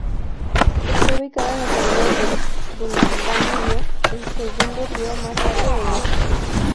Está ubicada en las orillas del Danubio, el segundo río más largo de Europa.